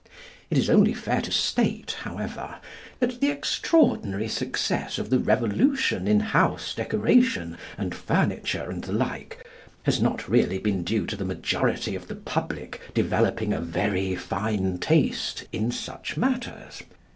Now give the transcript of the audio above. It is only fair to state, however, that the extraordinary success of the revolution in house decoration and furniture and the like has not really been due to the majority of the public developing a very fine taste in such matters.